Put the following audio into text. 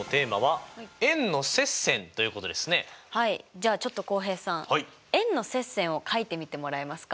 じゃあちょっと浩平さん円の接線を描いてみてもらえますか？